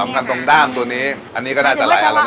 สำคัญตรงด้ามตัวนี้อันนี้ก็น่าจะหลายอันแล้วเนอะ